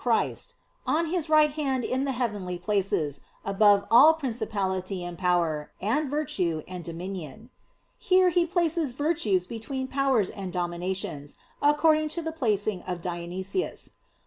Christ, "on His right hand in the heavenly places above all Principality and Power, and Virtue, and Dominion." Here he places "Virtues" between "Powers" and "Dominations," according to the placing of Dionysius.